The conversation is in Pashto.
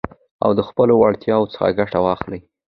او د خپلو وړتياوو څخه ګټه واخلٸ.